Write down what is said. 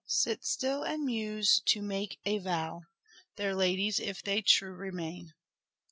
Sit still and muse to make a vow. Their ladies if they true remain.